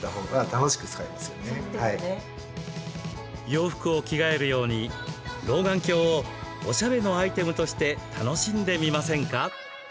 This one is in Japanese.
洋服を着替えるように老眼鏡を、おしゃれのアイテムとして楽しんでみませんか？